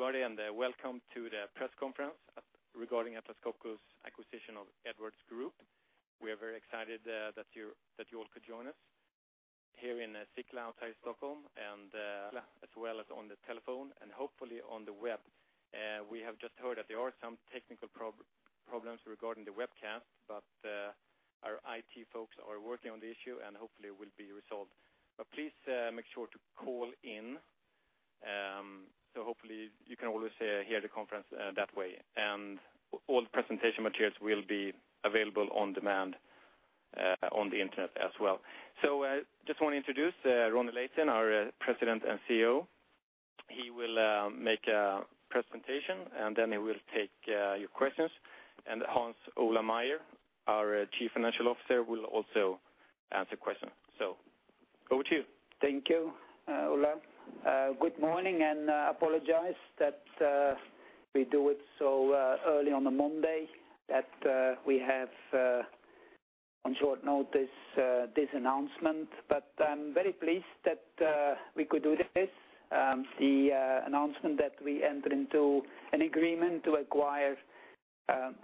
Hello everybody and welcome to the press conference regarding Atlas Copco's acquisition of Edwards Group. We are very excited that you all could join us here in Sickla, outside Stockholm, as well as on the telephone and hopefully on the web. We have just heard that there are some technical problems regarding the webcast, our IT folks are working on the issue and hopefully it will be resolved. Please make sure to call in, hopefully you can always hear the conference that way, all the presentation materials will be available on demand on the internet as well. Just want to introduce Ronnie Leten, our President and CEO. He will make a presentation then he will take your questions. Hans Ola Meyer, our Chief Financial Officer, will also answer questions. Over to you. Thank you, Ola. Good morning, I apologize that we do it so early on a Monday that we have on short notice this announcement. I'm very pleased that we could do this, the announcement that we enter into an agreement to acquire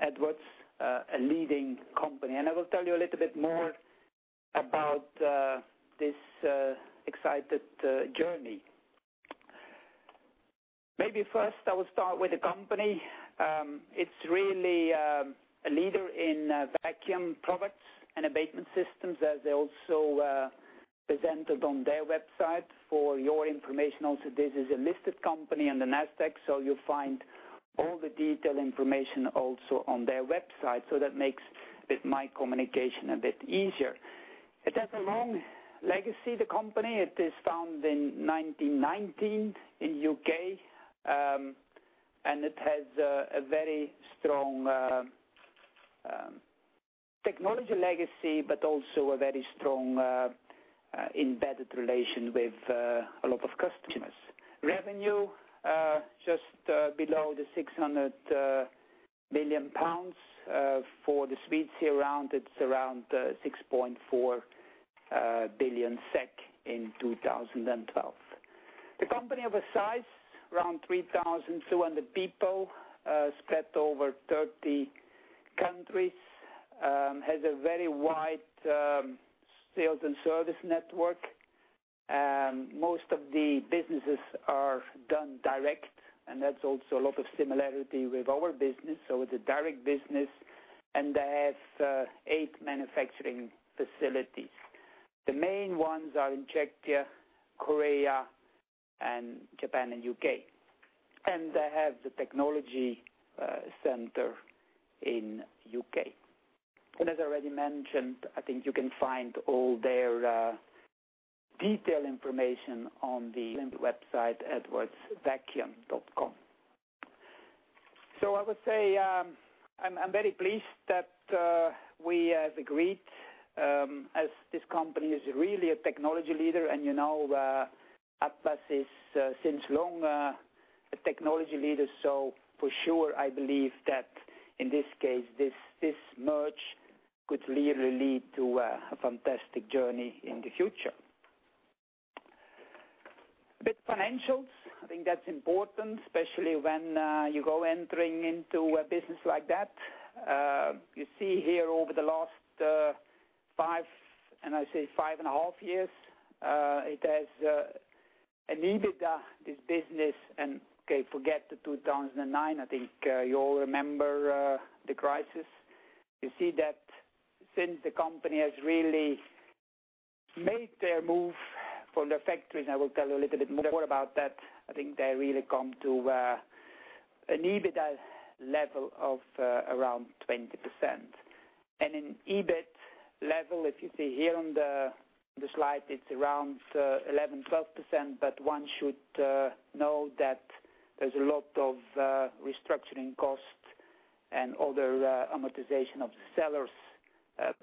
Edwards, a leading company. I will tell you a little bit more about this exciting journey. Maybe first I will start with the company. It's really a leader in vacuum products and abatement systems as they also presented on their website. For your information also, this is a listed company on the Nasdaq, you'll find all the detailed information also on their website, that makes my communication a bit easier. It has a long legacy, the company. It is found in 1919 in the U.K., it has a very strong technology legacy, also a very strong embedded relation with a lot of customers. Revenue just below 600 million pounds. For the Swedish here, it's around 6.4 billion SEK in 2012. The company of a size, around 3,200 people spread over 30 countries, has a very wide sales and service network. Most of the businesses are done direct, that's also a lot of similarity with our business, it's a direct business, they have eight manufacturing facilities. The main ones are in Czechia, Korea, Japan, and the U.K. They have the technology center in the U.K. As I already mentioned, I think you can find all their detailed information on the website edwardsvacuum.com. I would say, I'm very pleased that we have agreed, as this company is really a technology leader and you know Atlas is since long a technology leader, for sure I believe that in this case, this merge could really lead to a fantastic journey in the future. A bit of financials. I think that's important, especially when you go entering into a business like that. You see here over the last five, I say five and a half years, it has an EBITDA, this business, okay, forget the 2009, I think you all remember the crisis. You see that since the company has really made their move from the factories, I will tell you a little bit more about that, I think they really come to an EBITDA level of around 20%. In EBIT level, if you see here on the slide, it's around 11%-12%, but one should know that there's a lot of restructuring costs and other amortization of the seller's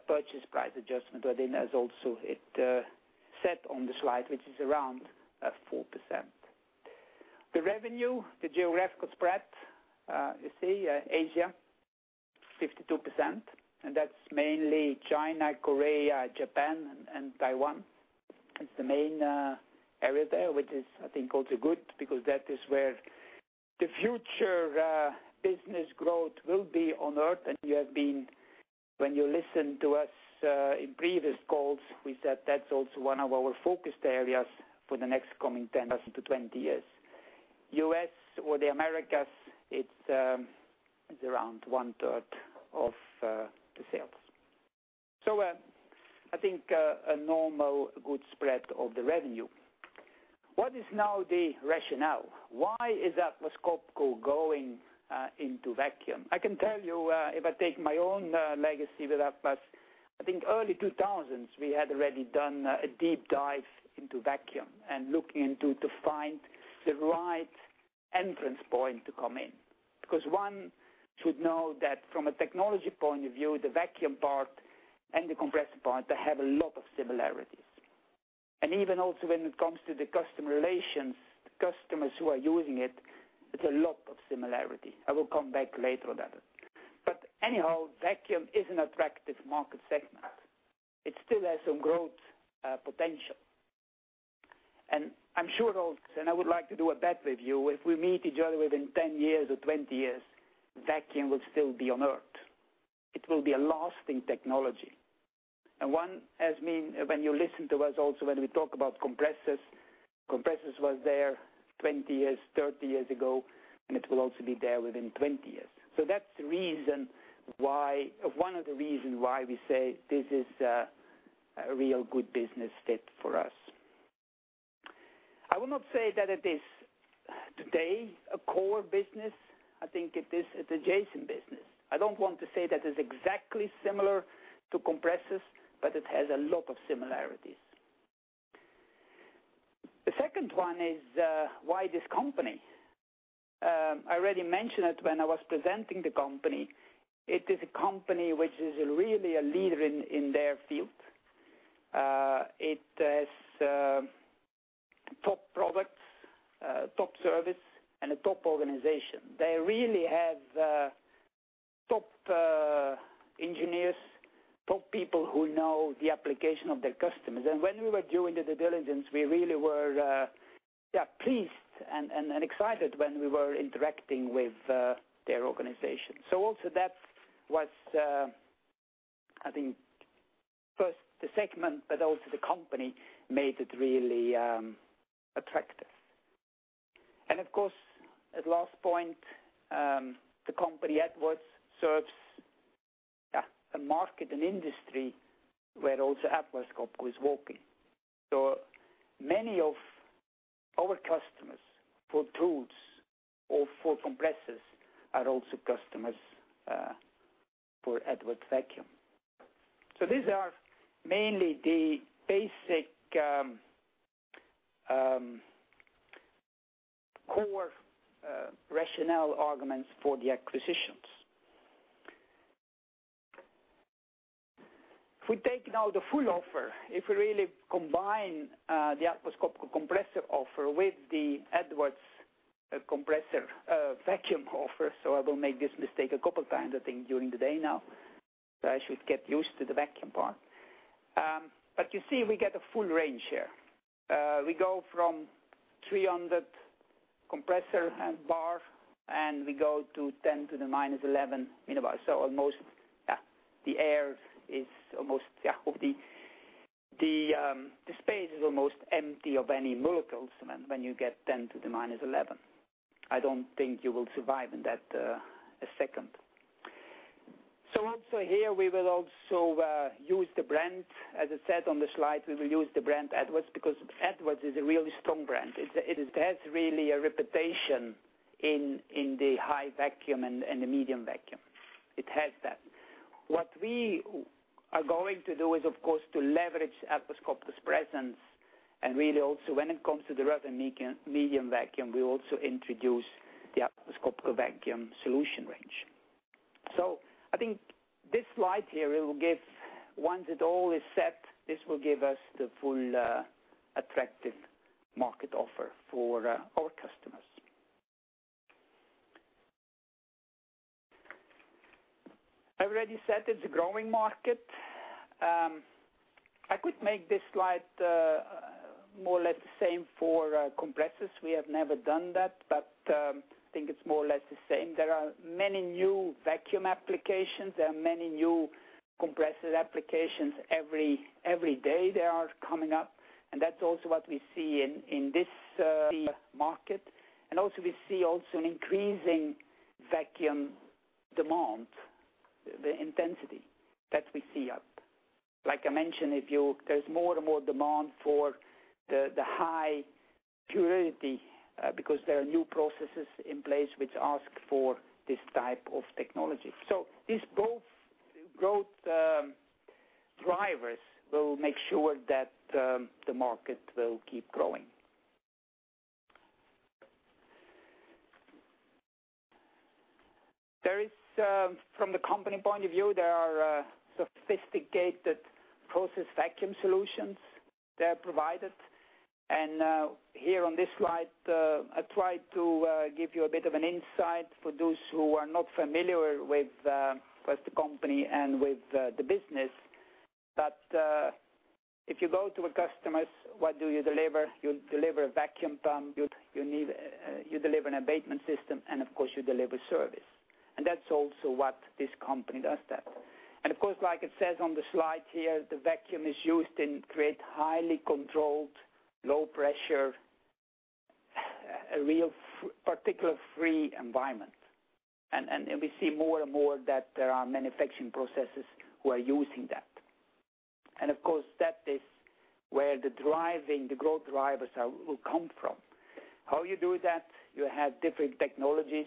purchase price adjustment within, as also it set on the slide, which is around 4%. The revenue, the geographical spread, you see Asia 52%, and that's mainly China, Korea, Japan and Taiwan. It's the main area there, which is I think also good because that is where the future business growth will be on Earth. You have been, when you listen to us in previous calls, we said that's also one of our focused areas for the next coming 10-20 years. U.S. or the Americas, it's around one-third of the sales. I think a normal good spread of the revenue. What is now the rationale? Why is Atlas Copco going into vacuum? I can tell you, if I take my own legacy with Atlas, I think early 2000s, we had already done a deep dive into vacuum and looking into to find the right entrance point to come in. Because one should know that from a technology point of view, the vacuum part and the compressor part, they have a lot of similarities. Even also when it comes to the customer relations, the customers who are using it's a lot of similarity. I will come back later on that. Anyhow, vacuum is an attractive market segment. It still has some growth potential. I'm sure, Rolf, and I would like to do a bet with you, if we meet each other within 10 years or 20 years, vacuum will still be on Earth. It will be a lasting technology. One, when you listen to us also when we talk about compressors was there 20 years, 30 years ago, and it will also be there within 20 years. That's one of the reason why we say this is a real good business fit for us. I will not say that it is today a core business. I think it is adjacent business. I don't want to say that it's exactly similar to compressors, but it has a lot of similarities. The second one is why this company? I already mentioned it when I was presenting the company. It is a company which is really a leader in their field. It has top products, top service, and a top organization. They really have top engineers, top people who know the application of their customers. When we were doing the due diligence, we really were pleased and excited when we were interacting with their organization. Also that was, I think first the segment, but also the company made it really attractive. Of course, at last point, the company Edwards serves a market and industry where also Atlas Copco is working. Many of our customers for tools or for compressors are also customers for Edwards Vacuum. These are mainly the basic core rationale arguments for the acquisitions. If we take now the full offer, if we really combine the Atlas Copco compressor offer with the Edwards Vacuum offer, I will make this mistake a couple times, I think, during the day now. I should get used to the vacuum part. You see we get a full range here. We go from 300 compressor bar, and we go to 10 to the minus 11 millibar. Almost, yeah, the space is almost empty of any molecules when you get 10 to the minus 11. I don't think you will survive in that, a second. Also here, we will also use the brand, as I said on the slide, we will use the brand Edwards because Edwards is a really strong brand. It has really a reputation in the high vacuum and the medium vacuum. It has that. What we are going to do is, of course, to leverage Atlas Copco's presence, and really also when it comes to the rough and medium vacuum, we'll also introduce the Atlas Copco vacuum solution range. I think this slide here, once it all is set, this will give us the full attractive market offer for our customers. I already said it's a growing market. I could make this slide more or less the same for compressors. We have never done that, but I think it's more or less the same. There are many new vacuum applications. There are many new compressor applications every day they are coming up, and that's also what we see in this market. Also we see also an increasing vacuum demand, the intensity that we see up. Like I mentioned, there's more and more demand for the high purity because there are new processes in place which ask for this type of technology. These growth drivers will make sure that the market will keep growing. From the company point of view, there are sophisticated process vacuum solutions that are provided. Here on this slide, I tried to give you a bit of an insight for those who are not familiar with, first, the company and with the business. If you go to a customers, what do you deliver? You deliver a vacuum pump, you deliver an abatement system, and of course you deliver service. That's also what this company does that. Of course, like it says on the slide here, the vacuum is used and create highly controlled, low pressure, a real particular free environment. We see more and more that there are manufacturing processes who are using that. Of course, that is where the growth drivers will come from. How you do that? You have different technologies,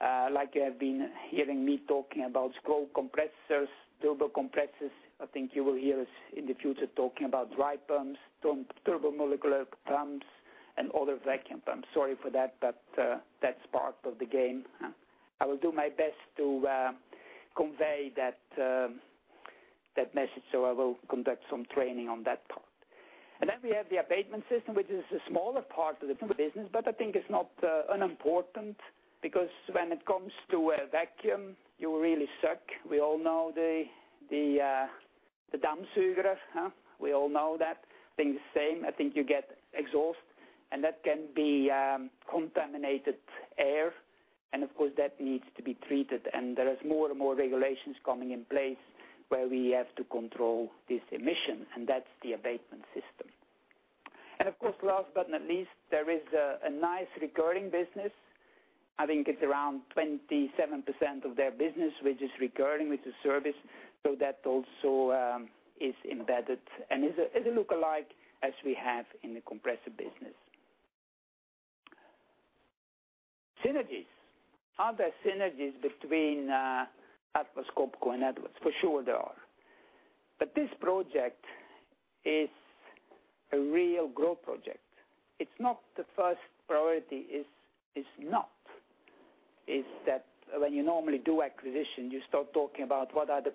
like you have been hearing me talking about scroll compressors, turbocompressors. I think you will hear us in the future talking about dry pumps, turbomolecular pumps, and other vacuum pumps. Sorry for that, but that's part of the game. I will do my best to convey that message. I will conduct some training on that part Then we have the abatement system, which is a smaller part of the business, but I think it's not unimportant because when it comes to a vacuum, you really suck. We all know that. I think the same. I think you get exhaust and of course, that needs to be treated. There is more and more regulations coming in place where we have to control this emission, and that's the abatement system. Of course, last but not least, there is a nice recurring business. I think it's around 27% of their business, which is recurring with the service. That also is embedded and is a lookalike as we have in the compressor business. Synergies. Are there synergies between Atlas Copco and Edwards? For sure there are. This project is a real growth project. It's not the first priority. It's not. It's that when you normally do acquisition, you start talking about what are the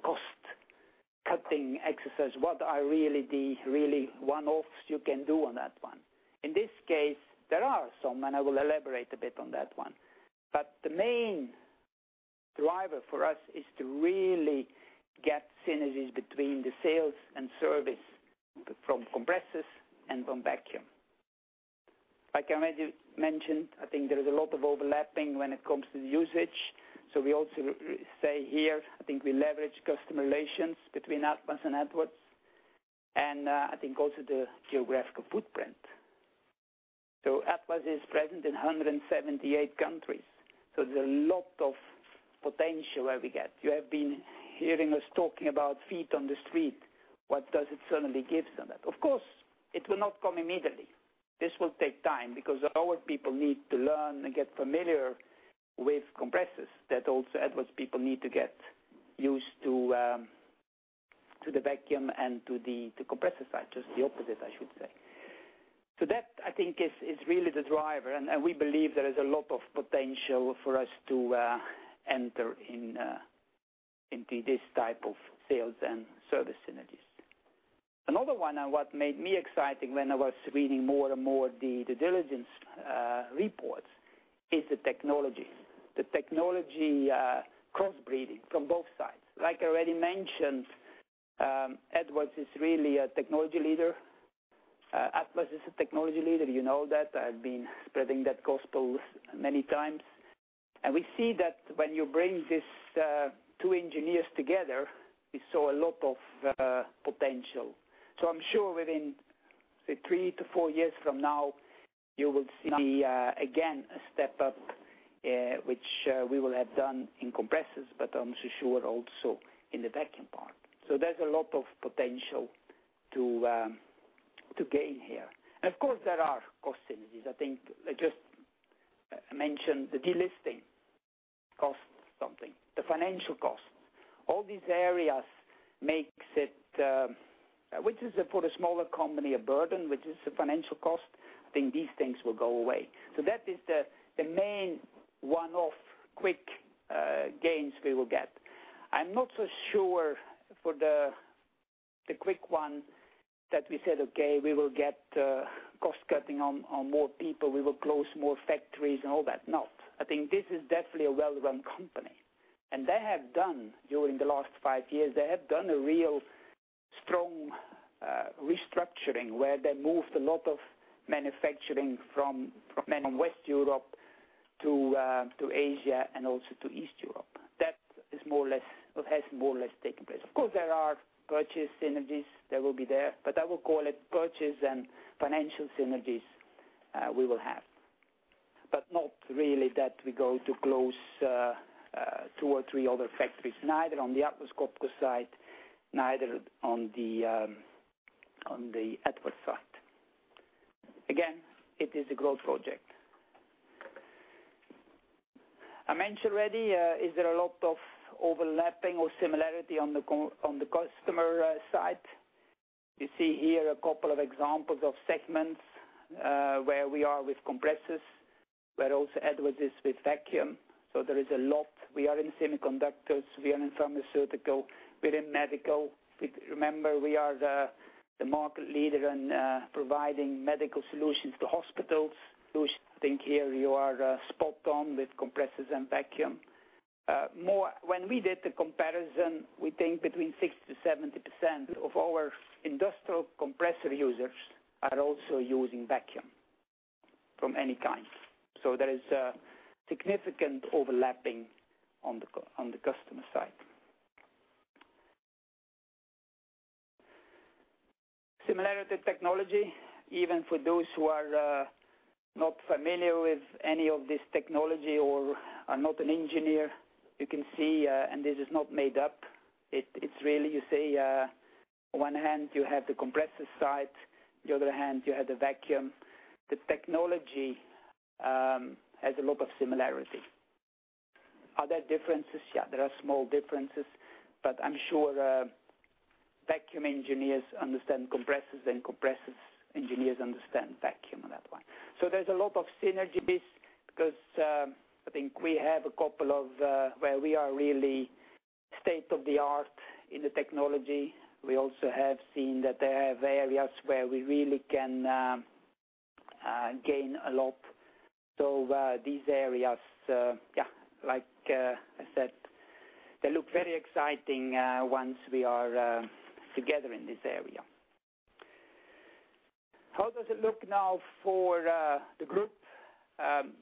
cost-cutting exercises, what are really the one-offs you can do on that one. In this case, there are some, and I will elaborate a bit on that one. The main driver for us is to really get synergies between the sales and service from compressors and from vacuum. Like I already mentioned, I think there is a lot of overlapping when it comes to the usage. We also say here, I think we leverage customer relations between Atlas and Edwards, and I think also the geographical footprint. Atlas is present in 178 countries, so there's a lot of potential where we get. You have been hearing us talking about feet on the street. What does it certainly give them? Of course, it will not come immediately. This will take time because our people need to learn and get familiar with compressors, that also Edwards people need to get used to the vacuum and to the compressor side. Just the opposite, I should say. That, I think, is really the driver, and we believe there is a lot of potential for us to enter into this type of sales and service synergies. Another one, and what made me exciting when I was reading more and more the diligence reports, is the technology. The technology crossbreeding from both sides. Like I already mentioned, Edwards is really a technology leader. Atlas is a technology leader. You know that. I've been spreading that gospel many times. We see that when you bring these two engineers together, we saw a lot of potential. I'm sure within, say, three to four years from now, you will see again a step up, which we will have done in compressors, but I'm sure also in the vacuum part. There's a lot of potential to gain here. Of course, there are cost synergies. I think I just mentioned the delisting costs something, the financial cost. All these areas makes it, which is for the smaller company, a burden, which is a financial cost. I think these things will go away. That is the main one-off quick gains we will get. I'm not so sure for the quick one that we said, okay, we will get cost cutting on more people. We will close more factories and all that. No. I think this is definitely a well-run company. They have done, during the last five years, they have done a real strong restructuring where they moved a lot of manufacturing from West Europe to Asia and also to East Europe. That has more or less taken place. Of course, there are purchase synergies that will be there, but I would call it purchase and financial synergies we will have, but not really that we go to close two or three other factories, neither on the Atlas Copco side, neither on the Edwards side. Again, it is a growth project. I mentioned already, is there a lot of overlapping or similarity on the customer side? You see here a couple of examples of segments, where we are with compressors, where also Edwards is with vacuum. There is a lot. We are in semiconductors, we are in pharmaceutical, we're in medical. Remember, we are the market leader in providing medical solutions to hospitals, who think here you are spot on with compressors and vacuum. When we did the comparison, we think between 60%-70% of our industrial compressor users are also using vacuum from any kind. There is a significant overlapping on the customer side. Similarity technology, even for those who are not familiar with any of this technology or are not an engineer, you can see, and this is not made up. It's really you say, on one hand, you have the compressor side, the other hand, you have the vacuum. The technology has a lot of similarity. Are there differences? There are small differences, but I'm sure vacuum engineers understand compressors, and compressors engineers understand vacuum. There's a lot of synergies because I think we have a couple of areas where we are really state-of-the-art in the technology. We also have seen that there are areas where we really can gain a lot. These areas, like I said, they look very exciting once we are together in this area. How does it look now for the Group?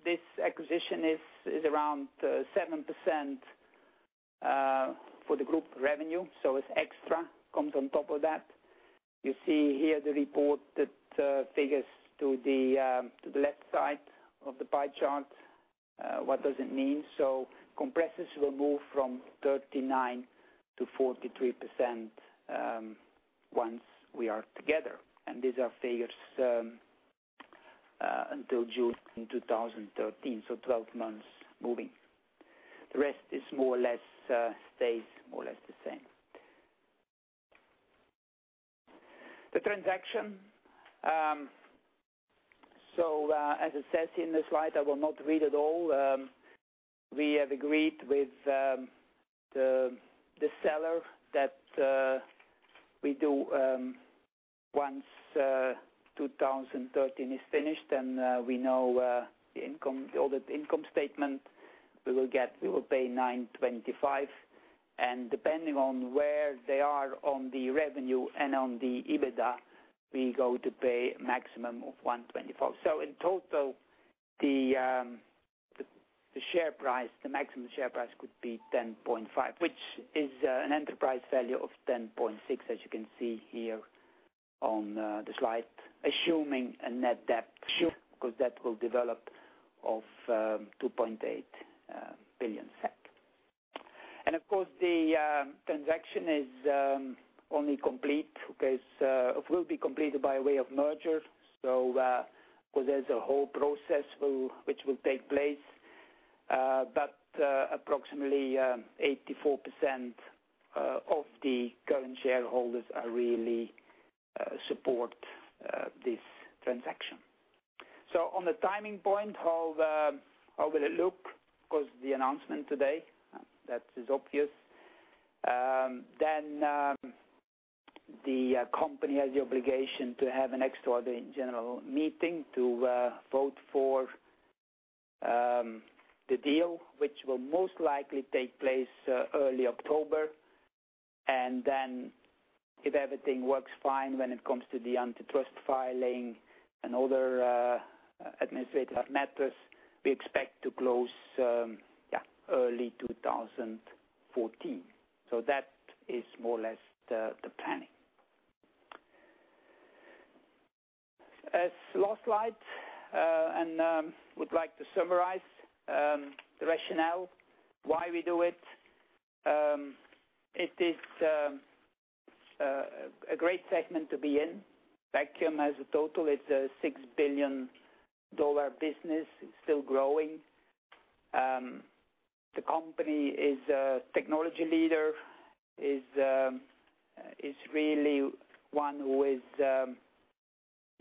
This acquisition is around 7% for the Group revenue. It's extra, comes on top of that. You see here the reported figures to the left side of the pie chart. What does it mean? Compressors will move from 39% to 43% once we are together, and these are figures until June 2013. 12 months moving. The rest stays more or less the same. The transaction. As it says in the slide, I will not read it all. We have agreed with the seller that once 2013 is finished and we know all the income statement we will get, we will pay 925 million. Depending on where they are on the revenue and on the EBITDA, we go to pay a maximum of 124 million. In total, the maximum share price could be 10.5 billion, which is an enterprise value of 10.6 billion, as you can see here on the slide, assuming a net debt, because that will develop, of 2.8 billion SEK. Of course, the transaction will be completed by way of merger. There's a whole process which will take place. Approximately 84% of the current shareholders really support this transaction. On the timing point, how will it look? Of course, the announcement today, that is obvious. The company has the obligation to have an extraordinary general meeting to vote for the deal, which will most likely take place early October. If everything works fine when it comes to the antitrust filing and other administrative matters, we expect to close early 2014. That is more or less the planning. As last slide, would like to summarize the rationale why we do it. It is a great segment to be in. Vacuum as a total, it's a $6 billion business. It's still growing. The company is a technology leader. Is really one who is,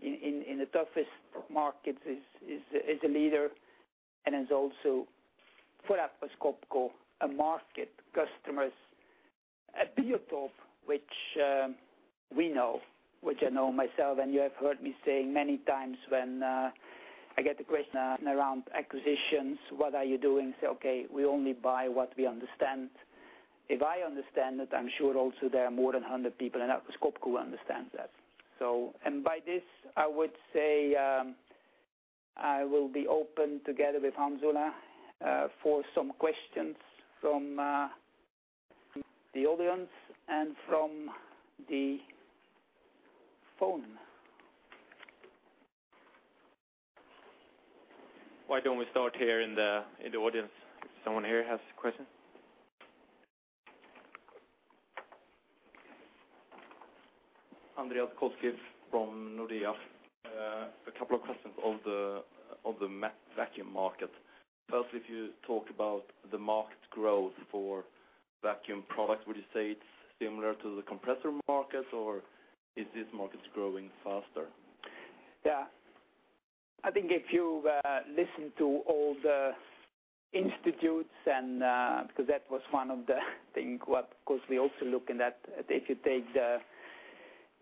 in the toughest markets, is a leader and is also for Atlas Copco, a market. Customers at the top, which we know, which I know myself, and you have heard me say many times when I get a question around acquisitions, what are you doing? Say, okay, we only buy what we understand. If I understand it, I am sure also there are more than 100 people in Atlas Copco who understand that. By this, I would say I will be open together with Hans Ola for some questions from the audience and from the phone. Why don't we start here in the audience, if someone here has a question? Andreas Koski from Nordea. A couple of questions of the vacuum market. First, if you talk about the market growth for vacuum products, would you say it's similar to the compressor market, or is this market growing faster? Yeah. I think if you listen to all the institutes, because that was one of the things, of course, we also look in that if you take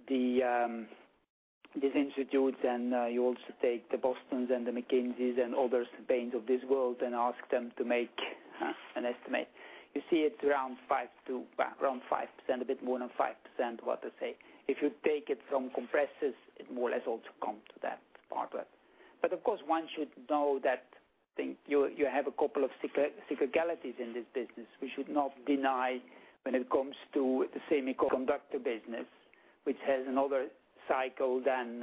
these institutes and you also take the Bostons and the McKinseys and other Bains of this world and ask them to make an estimate, you see it around 5%, a bit more than 5%, what they say. If you take it from compressors, it more or less also come to that part. Of course, one should know that you have a couple of cyclicalities in this business. We should not deny when it comes to the semiconductor business, which has another cycle than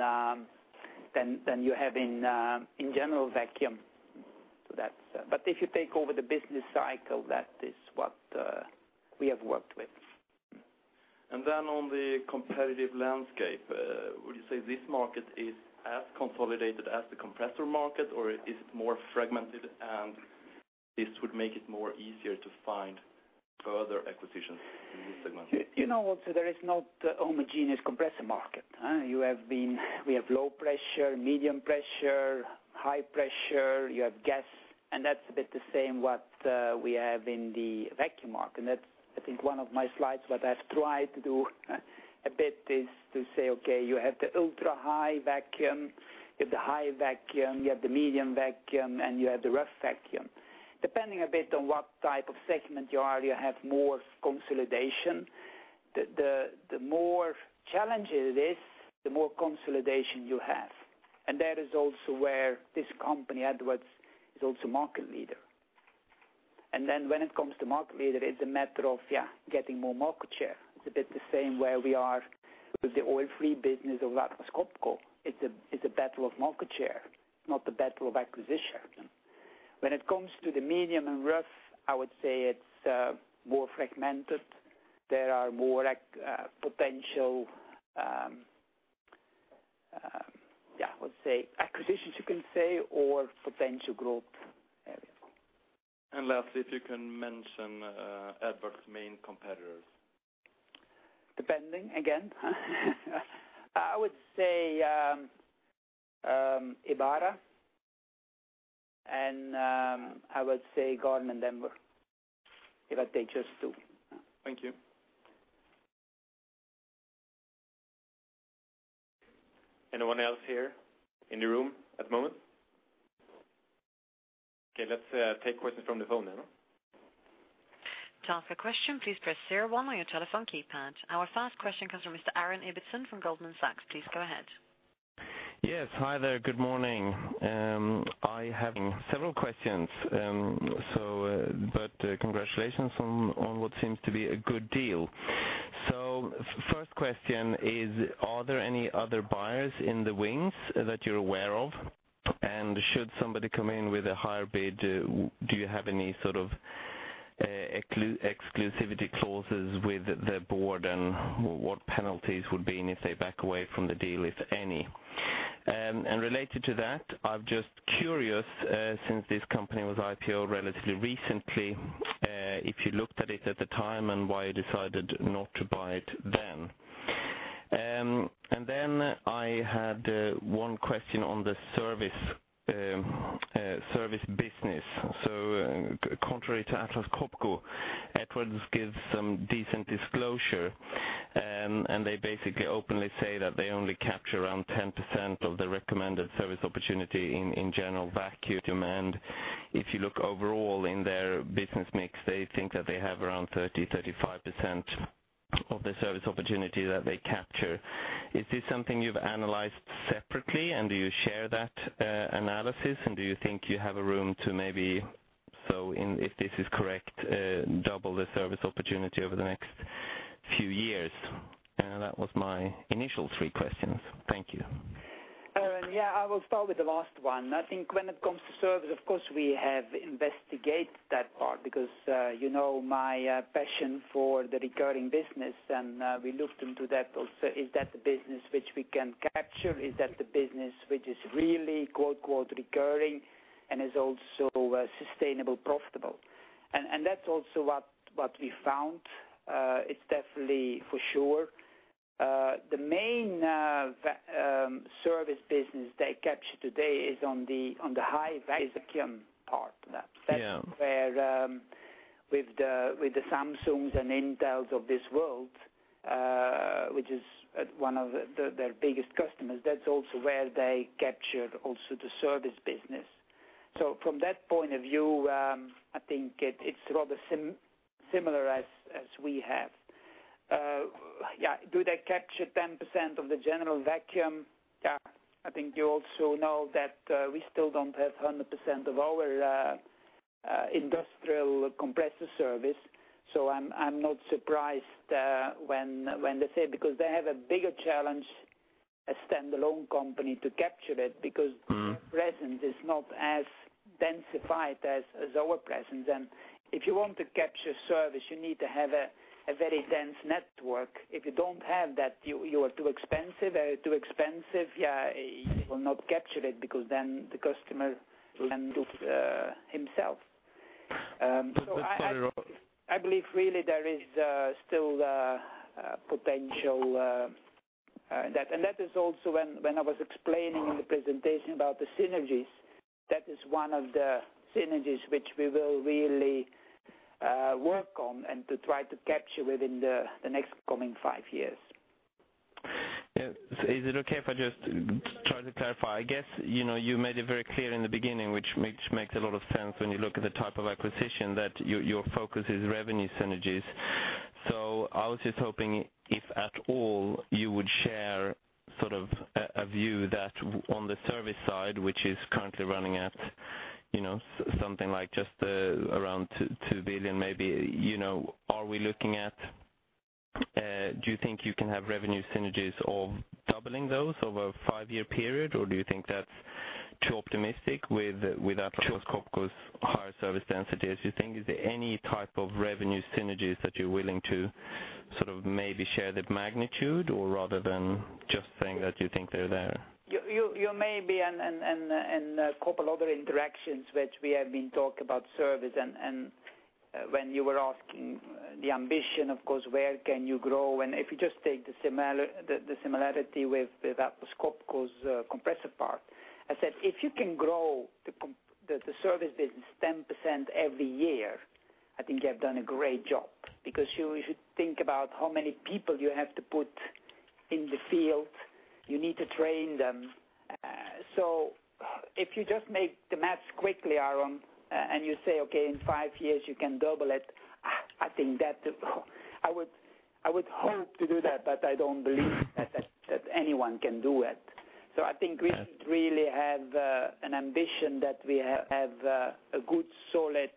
you have in general vacuum. If you take over the business cycle, that is what we have worked with. On the competitive landscape, would you say this market is as consolidated as the compressor market, or is it more fragmented and this would make it easier to find other acquisitions in this segment? There is not a homogeneous compressor market. We have low pressure, medium pressure, high pressure, you have gas, and that's a bit the same as what we have in the vacuum market. I think one of my slides, what I've tried to do a bit is to say, okay, you have the ultra high vacuum, you have the high vacuum, you have the medium vacuum, and you have the rough vacuum. Depending a bit on what type of segment you are, you have more consolidation. The more challenging it is, the more consolidation you have. That is also where this company, Edwards, is also market leader. When it comes to market leader, it's a matter of getting more market share. It's a bit the same where we are with the Oil-free business of Atlas Copco. It's a battle of market share, not a battle of acquisition. When it comes to the medium and rough, I would say it's more fragmented. There are more potential, acquisitions you can say, or potential growth areas. Lastly, if you can mention Edwards' main competitors? Depending, again, I would say Ebara, and I would say Gardner Denver. If I take just two. Thank you. Anyone else here in the room at the moment? Let's take questions from the phone then. To ask a question, please press 01 on your telephone keypad. Our first question comes from Mr. Aaron Ibbotson from Goldman Sachs. Please go ahead. Yes. Hi there. Good morning. I have several questions. Congratulations on what seems to be a good deal. First question is, are there any other buyers in the wings that you're aware of? Should somebody come in with a higher bid, do you have any sort of exclusivity clauses with the board, and what penalties would be if they back away from the deal, if any? Related to that, I'm just curious, since this company was IPOed relatively recently, if you looked at it at the time and why you decided not to buy it then. Then I had one question on the service business. Contrary to Atlas Copco, Edwards gives some decent disclosure, and they basically openly say that they only capture around 10% of the recommended service opportunity in general vacuum demand. If you look overall in their business mix, they think that they have around 30%, 35% of the service opportunity that they capture. Is this something you've analyzed separately, and do you share that analysis, and do you think you have a room to maybe, if this is correct, double the service opportunity over the next few years? That was my initial three questions. Thank you. Aron. Yeah, I will start with the last one. I think when it comes to service, of course, we have investigated that part because you know my passion for the recurring business, and we looked into that also. Is that the business which we can capture? Is that the business which is really "recurring" and is also sustainable, profitable? That's also what we found. It's definitely for sure. The main service business they capture today is on the high vacuum part. Yeah. That's where with the Samsungs and Intels of this world, which is one of their biggest customers, that's also where they captured also the service business. From that point of view, I think it's rather similar as we have. Do they capture 10% of the general vacuum? I think you also know that we still don't have 100% of our industrial compressor service. I'm not surprised when they say, because they have a bigger challenge, a standalone company to capture it, because their presence is not as densified as our presence. If you want to capture service, you need to have a very dense network. If you don't have that, you are too expensive. They are too expensive. You will not capture it, because then the customer will handle it himself. That's fair. I believe really there is still potential. That is also when I was explaining in the presentation about the synergies, that is one of the synergies which we will really work on and to try to capture within the next coming 5 years. Is it okay if I just try to clarify? I guess you made it very clear in the beginning, which makes a lot of sense when you look at the type of acquisition, that your focus is revenue synergies. I was just hoping if at all you would share a view that on the service side, which is currently running at something like just around 2 billion maybe. Do you think you can have revenue synergies or doubling those over a 5-year period, or do you think that's too optimistic with Atlas Copco's higher service density? Is there any type of revenue synergies that you're willing to Sort of maybe share the magnitude or rather than just saying that you think they're there. You maybe, a couple other interactions which we have been talking about service and when you were asking the ambition, of course, where can you grow? If you just take the similarity with Atlas Copco's compressor part. I said, if you can grow the service business 10% every year, I think they've done a great job, because you should think about how many people you have to put in the field. You need to train them. If you just make the math quickly, Aron, and you say, okay, in 5 years you can double it. I would hope to do that, but I don't believe that anyone can do it. I think we should really have an ambition that we have a good, solid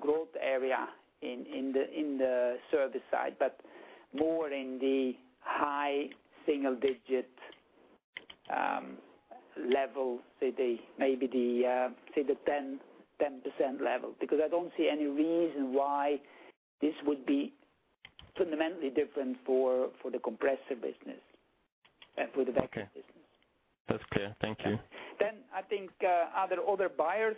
growth area in the service side, but more in the high single-digit level, say the 10% level. I don't see any reason why this would be fundamentally different for the compressor business and for the vacuum business. That's clear. Thank you. I think other buyers.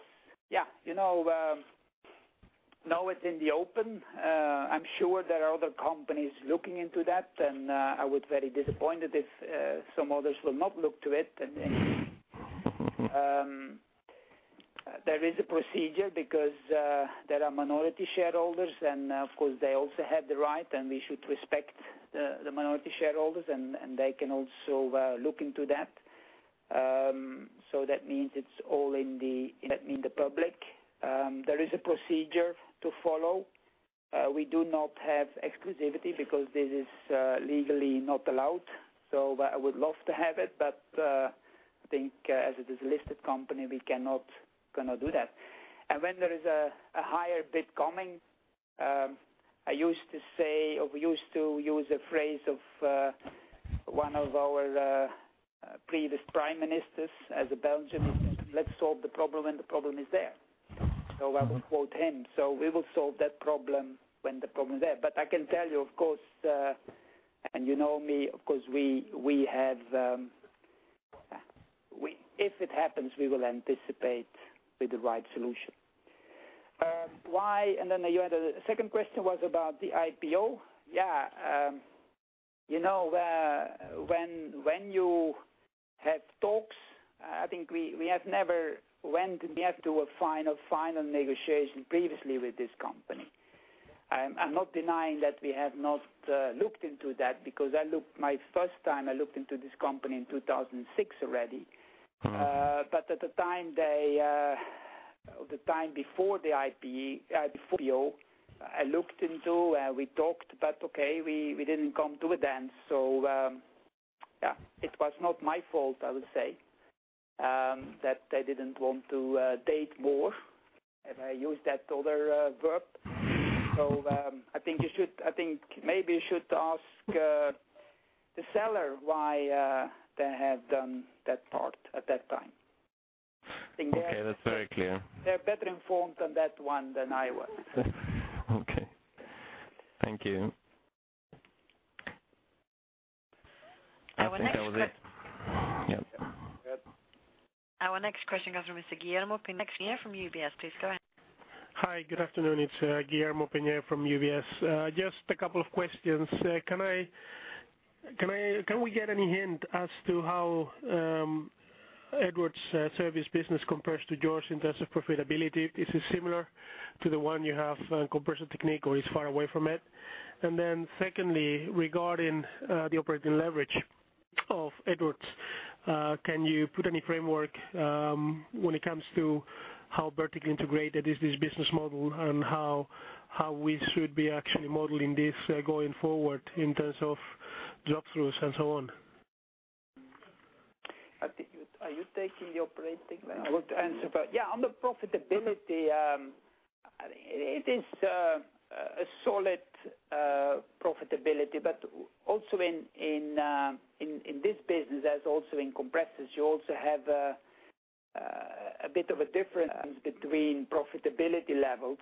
Now it's in the open. I'm sure there are other companies looking into that, I was very disappointed if some others will not look to it. There is a procedure because there are minority shareholders, of course, they also have the right, we should respect the minority shareholders, and they can also look into that. That means it's all in the public. There is a procedure to follow. We do not have exclusivity because this is legally not allowed. I would love to have it, but I think as it is a listed company, we cannot do that. When there is a higher bid coming, I used to say, or we used to use a phrase of one of our previous prime ministers as a Belgian, he said, "Let's solve the problem when the problem is there." I will quote him. We will solve that problem when the problem is there. I can tell you, of course, and you know me, of course, if it happens, we will anticipate with the right solution. Why? Then you had a second question was about the IPO. When you had talks, I think we have never went near to a final negotiation previously with this company. I'm not denying that we have not looked into that because my first time I looked into this company in 2006 already. At the time before the IPO, I looked into, we talked, but okay, we didn't come to an end. Yeah, it was not my fault, I would say, that they didn't want to date more, if I use that other verb. I think maybe you should ask the seller why they have done that part at that time. Okay. That's very clear. They're better informed on that one than I was. Okay. Thank you. Our next que-. I think that was it. Yep. Our next question comes from Mr. Guillermo Peigneux from UBS. Please go ahead. Hi. Good afternoon. It's Guillermo Pena from UBS. Just a couple of questions. Can we get any hint as to how Edwards service business compares to yours in terms of profitability? Is it similar to the one you have Compressor Technique, or is far away from it? Secondly, regarding the operating leverage of Edwards, can you put any framework when it comes to how vertically integrated is this business model and how we should be actually modeling this going forward in terms of drop-throughs and so on? Are you taking the operating leverage? I would answer that. Yeah, on the profitability, it is a solid profitability, but also in this business, as also in compressors, you also have a bit of a difference between profitability levels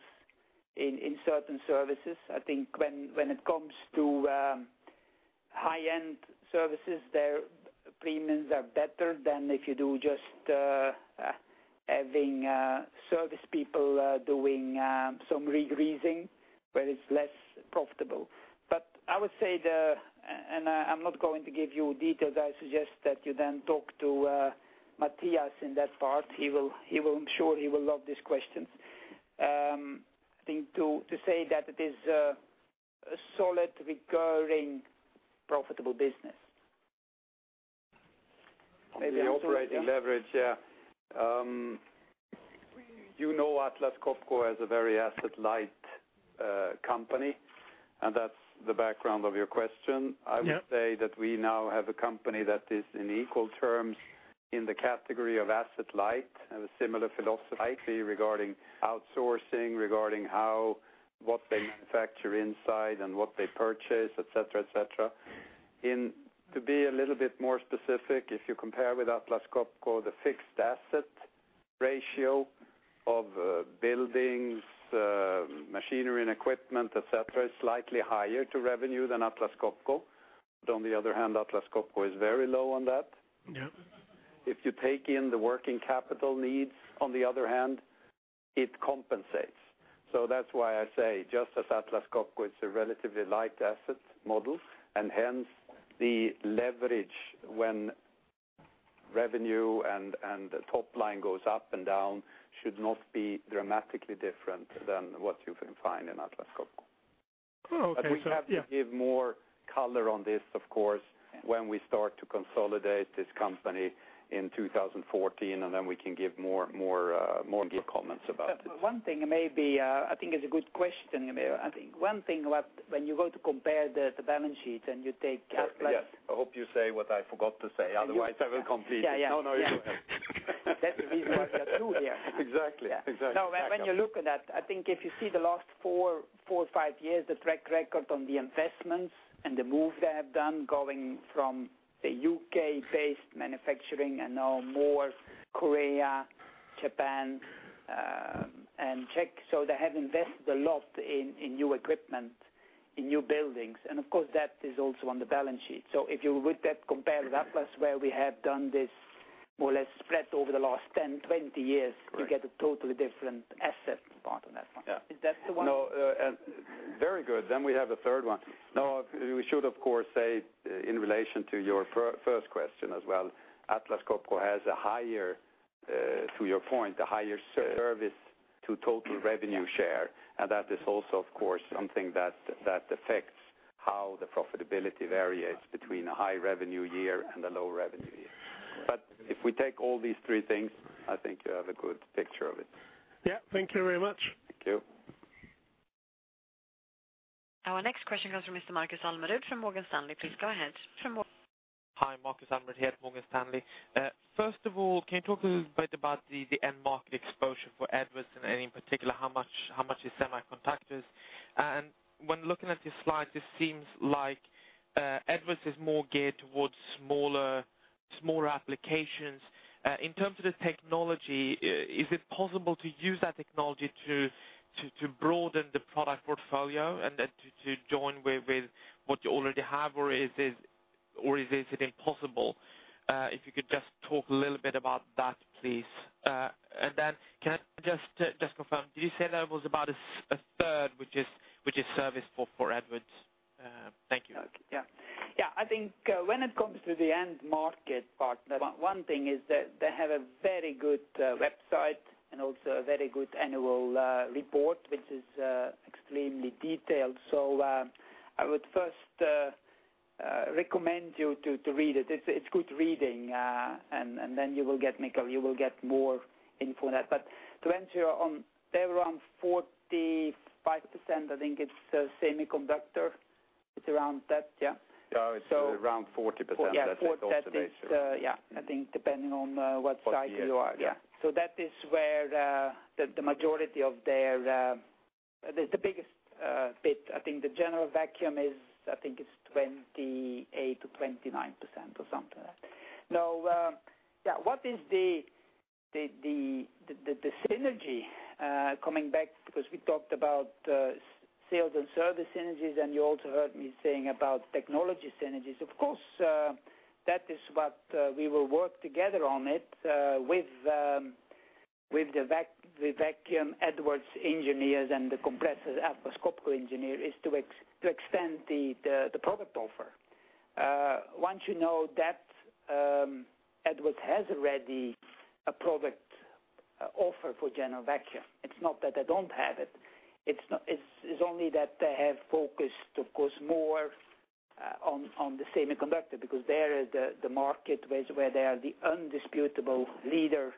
in certain services. I think when it comes to high-end services, their premiums are better than if you do just having service people doing some regreasing where it's less profitable. I would say the, and I'm not going to give you details. I suggest that you then talk to Mattias in that part. I'm sure he will love these questions. I think to say that it is a solid, recurring, profitable business. Maybe on operating leverage, yeah. You know Atlas Copco as a very asset-light company, and that's the background of your question. Yeah. I would say that we now have a company that is in equal terms in the category of asset light and a similar philosophy regarding outsourcing, regarding what they manufacture inside and what they purchase, et cetera. To be a little bit more specific, if you compare with Atlas Copco, the fixed asset ratio of buildings, machinery and equipment, et cetera, is slightly higher to revenue than Atlas Copco. On the other hand, Atlas Copco is very low on that. Yeah. If you take in the working capital needs on the other hand, it compensates. That's why I say, just as Atlas Copco, it's a relatively light asset model, and hence the leverage when revenue and the top line goes up and down should not be dramatically different than what you can find in Atlas Copco. Oh, okay. We have to give more color on this, of course, when we start to consolidate this company in 2014, and then we can give more good comments about it. One thing maybe, I think it's a good question, Emil. I think one thing about when you go to compare the balance sheet and you take Atlas Yes. I hope you say what I forgot to say, otherwise I will complete it. Yeah, yeah. No, no, you go ahead. That's the reason we are two here. Exactly. When you look at that, I think if you see the last four or five years, the track record on the investments and the moves they have done going from the U.K.-based manufacturing and now more Korea, Japan, and Czech. They have invested a lot in new equipment, in new buildings, and of course, that is also on the balance sheet. If you would then compare with Atlas, where we have done this more or less spread over the last 10, 20 years. Correct you get a totally different asset part on that one. Yeah. Is that the one? No. Very good. We have a third one. We should, of course, say in relation to your first question as well, Atlas Copco has, to your point, a higher service to total revenue share. That is also, of course, something that affects how the profitability varies between a high revenue year and a low revenue year. If we take all these three things, I think you have a good picture of it. Yeah. Thank you very much. Thank you. Our next question comes from Mr. Marcus Almerud from Morgan Stanley. Please go ahead. Hi, Marcus Almerud here, Morgan Stanley. First of all, can you talk a little bit about the end market exposure for Edwards and any in particular, how much is semiconductors? When looking at this slide, this seems like Edwards is more geared towards smaller applications. In terms of the technology, is it possible to use that technology to broaden the product portfolio and then to join with what you already have, or is it impossible? If you could just talk a little bit about that, please. Can I just confirm, did you say that was about a third, which is service for Edwards? Thank you. Yeah. I think when it comes to the end market part, one thing is that they have a very good website and also a very good annual report, which is extremely detailed. I would first recommend you to read it. It's good reading, and then you will get more info on that. To answer your, they're around 45%, I think it's semiconductor. It's around that, yeah. Yeah, it is around 40% that it is also based around. Yeah, 40%. I think depending on what side you are. Yeah. That is where the majority of their, the biggest bit, I think the general vacuum is, I think it is 28%-29% or something like that. Now, what is the synergy, coming back because we talked about sales and service synergies, and you also heard me saying about technology synergies. Of course, that is what we will work together on it, with the Edwards vacuum engineers and the Atlas Copco compressor engineer is to extend the product offer. Once you know that Edwards has already a product offer for general vacuum, it is not that they do not have it. It is only that they have focused, of course, more on the semiconductor, because there the market where they are the undisputable leader,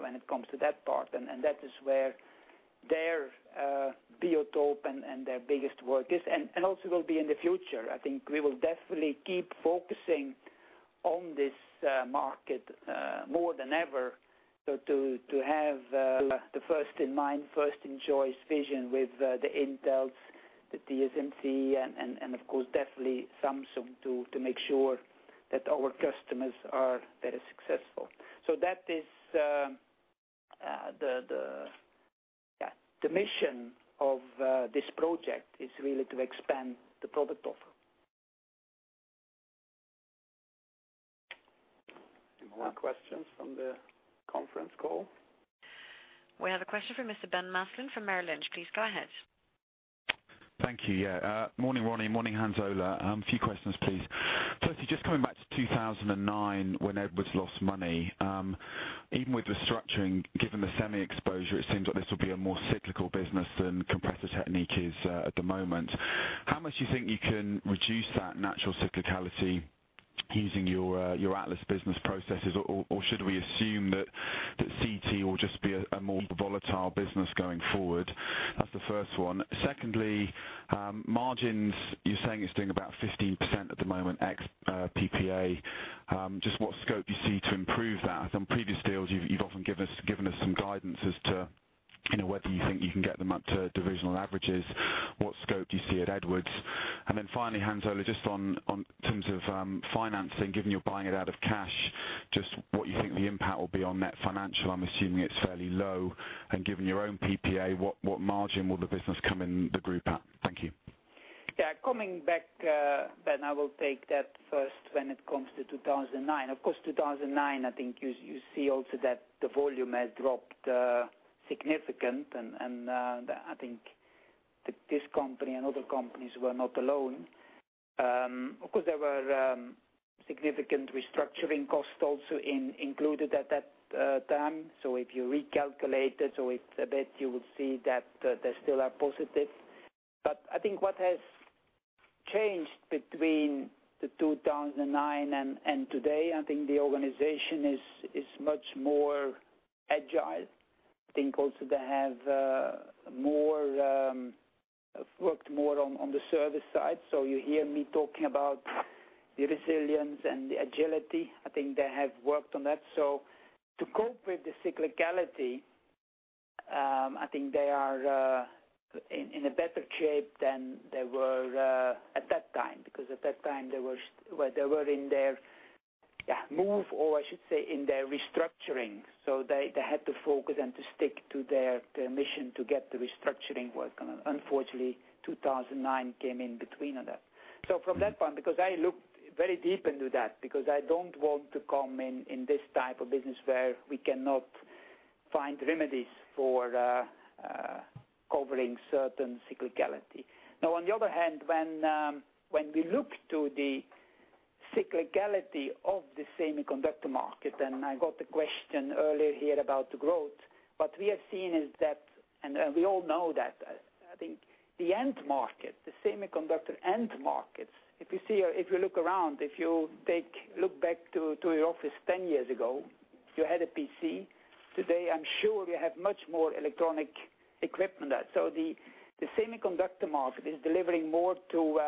when it comes to that part, and that is where their biotope and their biggest work is, and also will be in the future. I think we will definitely keep focusing on this market more than ever. To have the first in mind, first in choice vision with the Intels, the TSMC, and of course, definitely Samsung, to make sure that our customers are very successful. That is the mission of this project, is really to expand the product offer. Any more questions from the conference call? We have a question from Mr. Ben Maslen from Merrill Lynch. Please go ahead. Thank you. Morning, Ronnie. Morning, Hans Ola. A few questions, please. Firstly, just coming back to 2009 when Edwards lost money. Even with the structuring, given the semi exposure, it seems like this will be a more cyclical business than Compressor Technique is at the moment. How much do you think you can reduce that natural cyclicality using your Atlas business processes, or should we assume that CT will just be a more volatile business going forward? That's the first one. Secondly, margins. You're saying it's doing about 15% at the moment ex PPA. Just what scope you see to improve that? On previous deals, you've often given us some guidance as to whether you think you can get them up to divisional averages, what scope do you see at Edwards? Finally, Hans Ola, just on terms of financing, given you're buying it out of cash, just what you think the impact will be on net financial. I'm assuming it's fairly low. Given your own PPA, what margin will the business come in the group at? Thank you. Coming back, Ben, I will take that first when it comes to 2009. Of course, 2009, I think you see also that the volume has dropped significantly. I think this company and other companies were not alone. Of course, there were significant restructuring costs also included at that time. If you recalculate it, so with EBIT, you would see that they still are positive. I think what has changed between the 2009 and today, I think the organization is much more agile. I think also they have worked more on the service side. You hear me talking about the resilience and the agility. I think they have worked on that. To cope with the cyclicality, I think they are in a better shape than they were at that time, because at that time they were in their move, or I should say, in their restructuring. They had to focus and to stick to their mission to get the restructuring work. Unfortunately, 2009 came in between on that. From that point, because I looked very deep into that, because I don't want to come in this type of business where we cannot find remedies for covering certain cyclicality. On the other hand, when we look to the cyclicality of the semiconductor market, and I got a question earlier here about the growth. What we have seen is that, and we all know that, I think the end market, the semiconductor end markets. If you look around, if you look back to your office 10 years ago, you had a PC. Today, I'm sure you have much more electronic equipment. The semiconductor market is delivering more to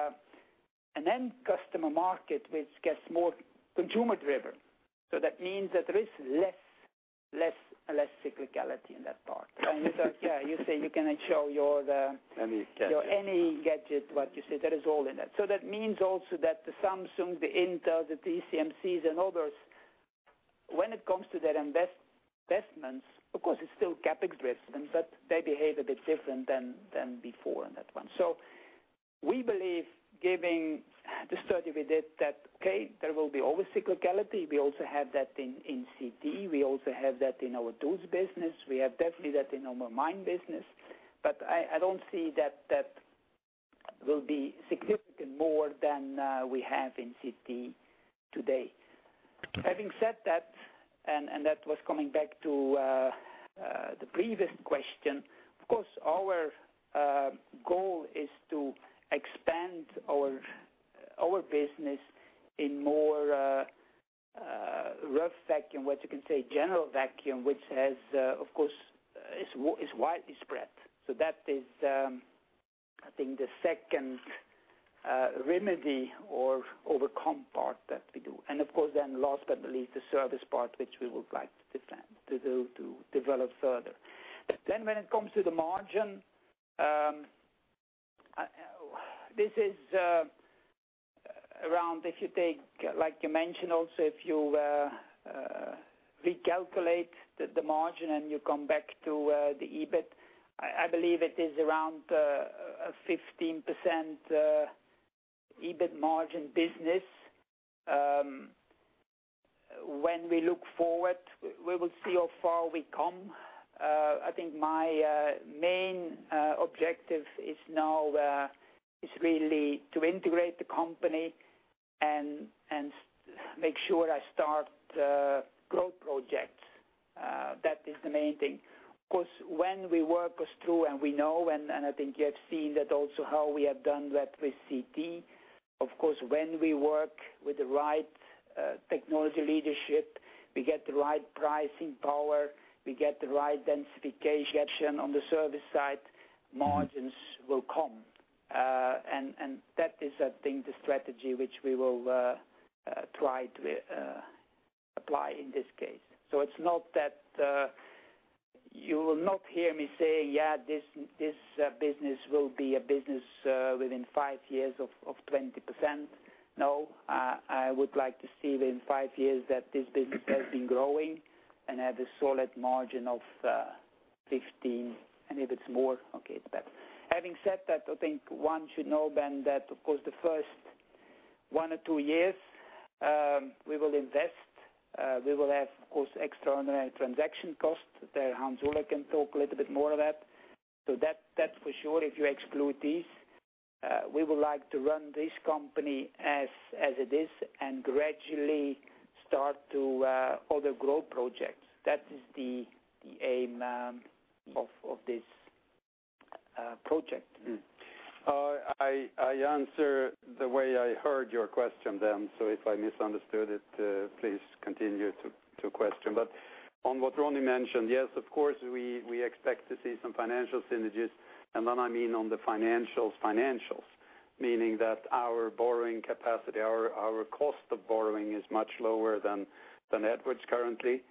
an end customer market which gets more consumer driven. That means that there is less cyclicality in that part. Yeah, you say you cannot show your- Any gadget your any gadget, what you say, that is all in it. That means also that the Samsung, the Intel, the TSMCs, and others, when it comes to their investments, of course, it's still CapEx risk, but they behave a bit different than before in that one. We believe giving the study we did that, okay, there will be always cyclicality. We also have that in CT. We also have that in our tools business. We have definitely that in our mine business. I don't see that that will be significant more than we have in CT today. Having said that, and that was coming back to the previous question. Of course, our goal is to expand our business in more rough vacuum, what you can say, general vacuum, which of course, is widespread. That is, I think the second remedy or overcome part that we do. Of course, last but not least, the service part, which we would like to plan, to do, to develop further. When it comes to the margin, this is around, if you take, like you mentioned, also, if you recalculate the margin and you come back to the EBIT, I believe it is around a 15% EBIT margin business. When we look forward, we will see how far we come. I think my main objective is now is really to integrate the company and make sure I start growth projects. That is the main thing. Of course, when we work us through, and we know, and I think you have seen that also how we have done that with CT. Of course, when we work with the right technology leadership, we get the right pricing power, we get the right densification on the service side, margins will come. That is, I think, the strategy which we will try to apply in this case. You will not hear me say, "Yeah, this business will be a business within five years of 20%." No. I would like to see in five years that this business has been growing and at a solid margin of 15%, and if it's more, okay, it's better. Having said that, I think one should know then that, of course, the first one or two years, we will invest. We will have, of course, extraordinary transaction costs. Hans Ola can talk a little bit more of that. That for sure, if you exclude these, we would like to run this company as it is and gradually start to other growth projects. That is the aim of this project. I answer the way I heard your question then. If I misunderstood it, please continue to question. On what Ronnie mentioned, yes, of course, we expect to see some financial synergies, and then I mean on the financials financials. Meaning that our borrowing capacity, our cost of borrowing is much lower than Edwards currently.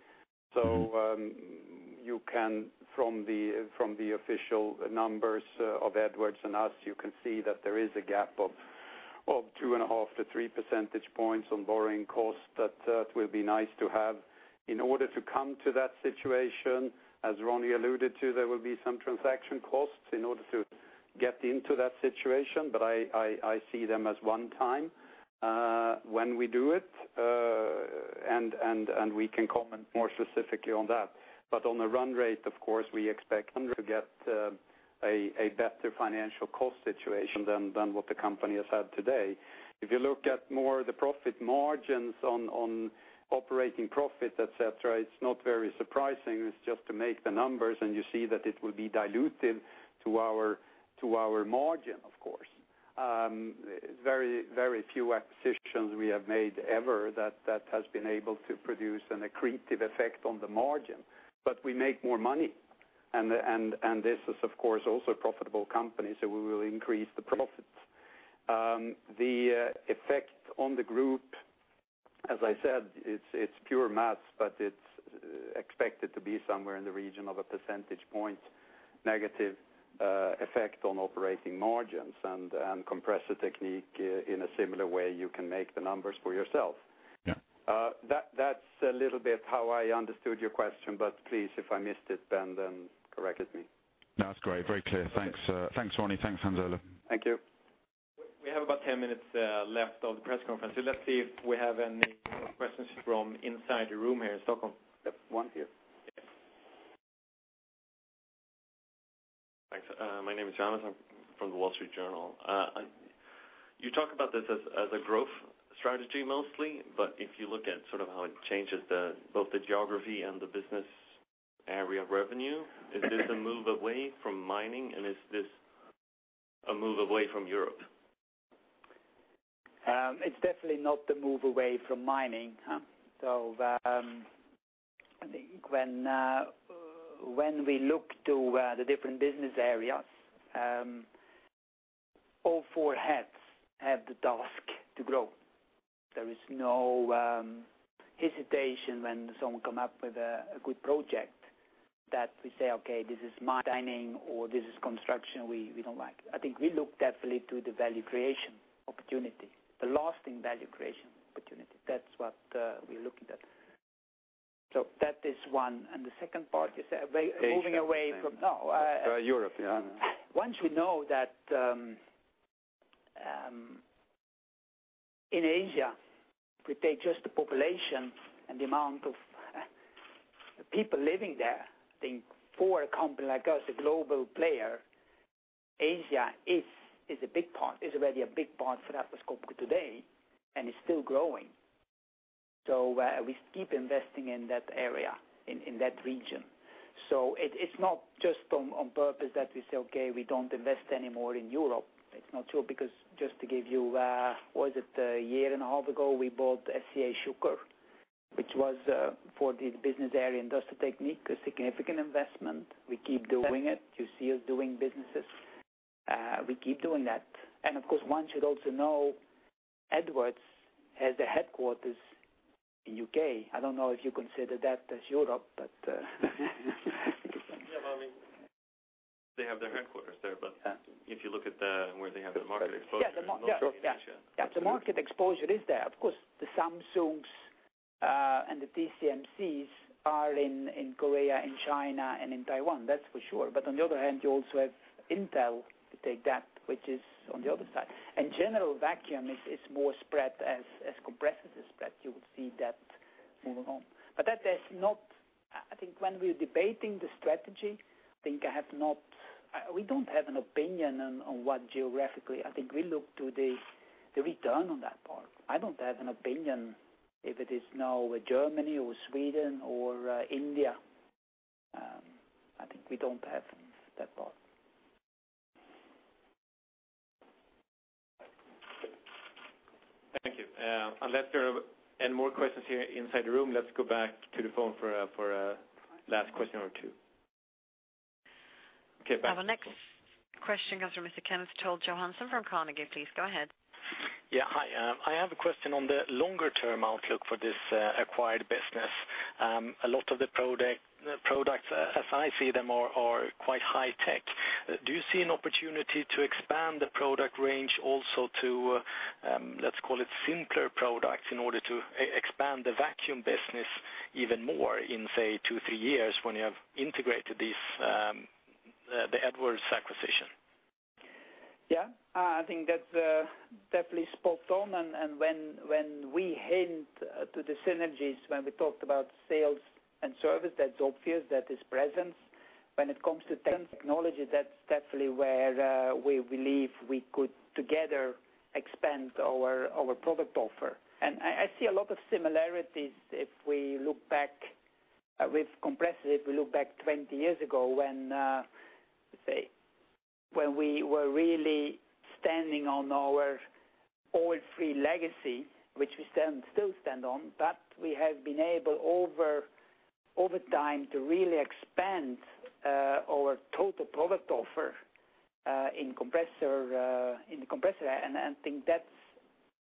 From the official numbers of Edwards and us, you can see that there is a gap of 2.5 to 3 percentage points on borrowing costs that will be nice to have. In order to come to that situation, as Ronnie alluded to, there will be some transaction costs in order to get into that situation, but I see them as one time. When we do it, and we can comment more specifically on that. On the run rate, of course, we expect to get a better financial cost situation than what the company has had today. If you look at more the profit margins on operating profit, et cetera, it's not very surprising. It's just to make the numbers, and you see that it will be diluted to our margin, of course. Very few acquisitions we have made ever that has been able to produce an accretive effect on the margin, but we make more money. This is, of course, also a profitable company, so we will increase the profits. The effect on the group, as I said, it's pure maths, but it's expected to be somewhere in the region of a percentage point negative effect on operating margins, and Compressor Technique, in a similar way, you can make the numbers for yourself. Yeah. That's a little bit how I understood your question, please, if I missed it, then correct me. No, that's great. Very clear. Thanks Ronnie. Thanks Hans Ola. Thank you. We have about 10 minutes left of the press conference. Let's see if we have any questions from inside the room here in Stockholm. Yep. One here. Yeah. Thanks. My name is Jonas. I'm from The Wall Street Journal. If you look at how it changes both the geography and the business area of revenue, is this a move away from mining, is this a move away from Europe? It's definitely not a move away from mining. I think when we look to the different business areas, all four heads have the task to grow. There is no hesitation when someone come up with a good project that we say, "Okay, this is mining," or, "This is construction. We don't like." I think we look definitely to the value creation opportunity, the lasting value creation opportunity. That's what we're looking at. That is one, The second part is moving away from. Asia. No. Europe, yeah. One should know that, in Asia, if we take just the population and the amount of people living there, I think for a company like us, a global player, Asia is a big part. It's already a big part for Atlas Copco today, and it's still growing. We keep investing in that area, in that region. It's not just on purpose that we say, "Okay, we don't invest anymore in Europe." It's not true, because just to give you, was it a year and a half ago, we bought SCA Schucker, which was for the business area Industrial Technique, a significant investment. We keep doing it. You see us doing businesses. We keep doing that. Of course, one should also know Edwards has a headquarters in U.K. I don't know if you consider that as Europe, but Yeah, well, I mean, they have their headquarters there. Yeah If you look at where they have the market exposure. Yeah. it's mostly in Asia. Yeah. The market exposure is there. Of course, the Samsungs and the TSMCs are in Korea, in China, and in Taiwan. That's for sure. On the other hand, you also have Intel, to take that, which is on the other side. In general, vacuum is more spread as compressors spread. You will see that moving on. I think when we're debating the strategy, we don't have an opinion on what geographically. I think we look to the return on that part. I don't have an opinion if it is now Germany or Sweden or India. I think we don't have that part. Thank you. Unless there are any more questions here inside the room, let's go back to the phone for a last question or two. Okay, back. Our next question comes from Mr. Kenneth Toll Johansson from Carnegie. Please go ahead. Yeah. Hi. I have a question on the longer-term outlook for this acquired business. A lot of the products, as I see them, are quite high tech. Do you see an opportunity to expand the product range also to, let's call it simpler products, in order to expand the vacuum business even more in, say, two, three years when you have integrated the Edwards acquisition? Yeah. I think that definitely spoke on. When we hint to the synergies, when we talked about sales and service, that's obvious that is present. When it comes to technology, that's definitely where we believe we could together expand our product offer. I see a lot of similarities if we look back with compressors, if we look back 20 years ago when, let's say, we were really standing on our Oil-free legacy, which we still stand on, but we have been able, over time, to really expand our total product offer in the compressor. I think that's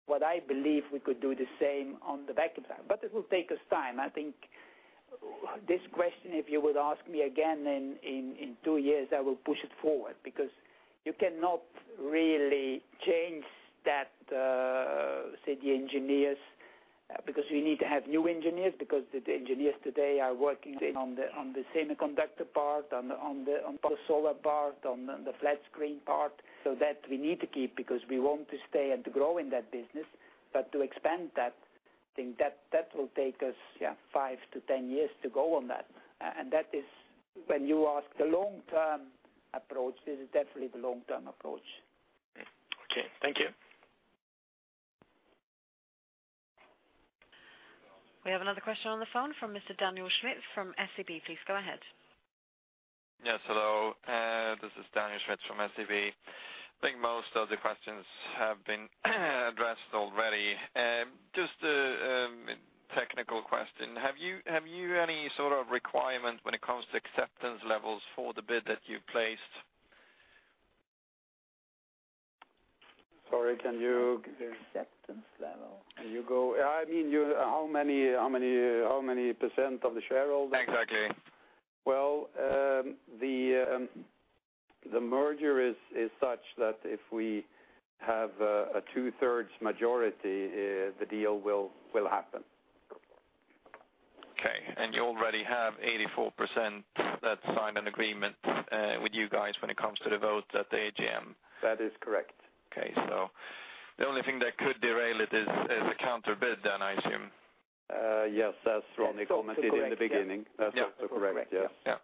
what I believe we could do the same on the Vacuum side. It will take us time. I think this question, if you would ask me again in two years, I will push it forward, because you cannot really change that, say, the engineers, because we need to have new engineers, because the engineers today are working on the semiconductor part, on the solar part, on the flat-screen part. That we need to keep because we want to stay and to grow in that business. To expand that, I think that will take us five to 10 years to go on that. That is when you ask the long-term approach. This is definitely the long-term approach. Okay. Thank you. We have another question on the phone from Daniel Schmidt from SEB. Please go ahead. Yes, hello. This is Daniel Schmidt from SEB. I think most of the questions have been addressed already. Just a technical question. Have you any sort of requirement when it comes to acceptance levels for the bid that you've placed? Sorry, can you- Acceptance level. I mean, how many % of the shareholders? Exactly. Well, the merger is such that if we have a two-thirds majority, the deal will happen. Okay, you already have 84% that signed an agreement with you guys when it comes to the vote at the AGM. That is correct. Okay, the only thing that could derail it is a counter bid then, I assume. Yes, as Ronnie commented in the beginning. That's also correct, yes. Yeah.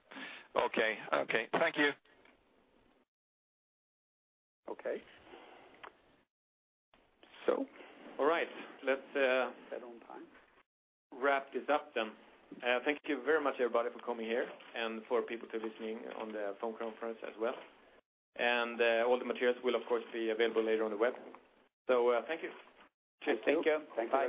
Okay. Thank you. Okay. All right. Right on time Wrap this up then. Thank you very much, everybody, for coming here and for people who are listening on the phone conference as well. All the materials will, of course, be available later on the web. Thank you. Thank you. Thanks.